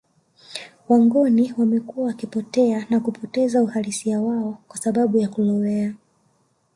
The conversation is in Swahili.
Wangoni wamekuwa wakipotea na kupoteza uhalisia wao kwa sababu ya kulowea